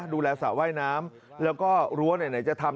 สระว่ายน้ำแล้วก็รั้วไหนจะทำ